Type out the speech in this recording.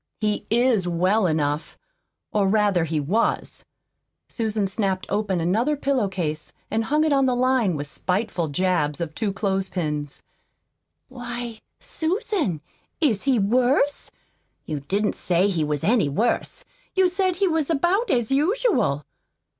"He is WELL ENOUGH or, rather he WAS." Susan snapped open another pillow case and hung it on the line with spiteful jabs of two clothespins. "Why, Susan, is he worse? You didn't say he was any worse. You said he was about as usual."